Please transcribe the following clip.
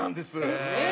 へえ！